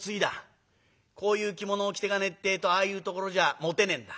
こういう着物を着ていかねえってえとああいうところじゃもてねえんだ。